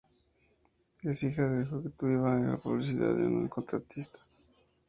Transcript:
Es hija de una ejecutiva de publicidad y un contratista.